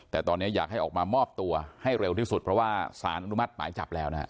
แต่ตอนนี้อยากให้ออกมามอบตัวให้เร็วที่สุดเพราะว่าสารอนุมัติหมายจับแล้วนะฮะ